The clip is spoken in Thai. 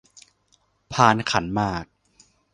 พานขันหมาก